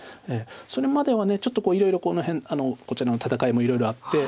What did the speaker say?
それまではいろいろこの辺こちらの戦いもいろいろあって。